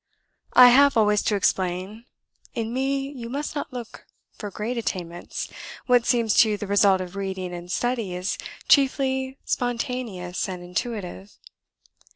I have always to explain, 'In me you must not look for great attainments: what seems to you the result of reading and study is chiefly spontaneous and intuitive.'